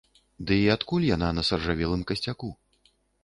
Ды і адкуль яна на саржавелым касцяку?